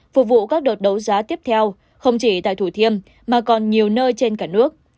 phục vụ các đợt đấu giá tiếp theo không chỉ tại thủ thiêm mà còn nhiều nơi trên cả nước